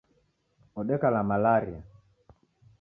Odeka na malaria